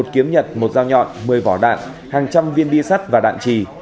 một kiếm nhật một dao nhọn một mươi vỏ đạn hàng trăm viên bi sắt và đạn trì